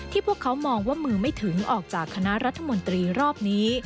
พวกเขามองว่ามือไม่ถึงออกจากคณะรัฐมนตรีรอบนี้